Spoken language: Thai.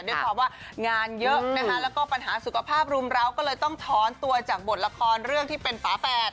ด้วยความว่างานเยอะนะคะแล้วก็ปัญหาสุขภาพรุมร้าวก็เลยต้องถอนตัวจากบทละครเรื่องที่เป็นฝาแฝด